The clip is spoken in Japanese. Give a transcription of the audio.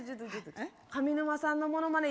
上沼さんのものまね